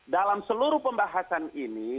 dalam seluruh pembahasan ini